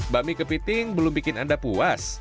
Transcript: bakmi kepiting belum bikin anda puas